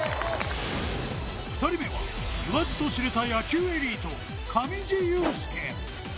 ２人目は言わずと知れた野球エリート・上地雄輔。